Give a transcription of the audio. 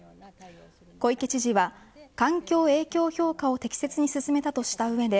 小池知事は、環境影響評価を適切に進めたとした上で